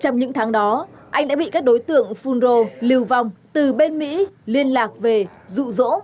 trong những tháng đó anh đã bị các đối tượng phun rồ lưu vong từ bên mỹ liên lạc về dụ dỗ